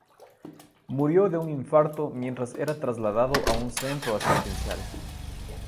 Murió de un infarto mientras era trasladado a un centro asistencial.